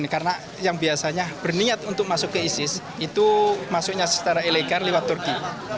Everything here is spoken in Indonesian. karena yang biasanya berniat untuk masuk ke isis itu masuknya secara ilegal lewat turki